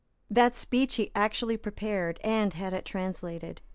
That speech he actually prepared and had it translated.